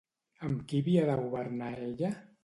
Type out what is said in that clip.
Amb qui havia de governar ella?